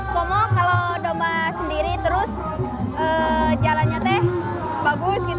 kalo domba sendiri terus jalannya bagus gitu